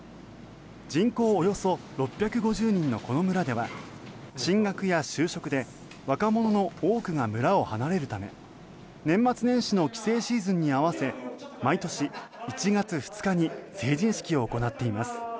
人口およそ６５０人のこの村では進学や就職で若者の多くが村を離れるため年末年始の帰省シーズンに合わせ毎年１月２日に成人式を行っています。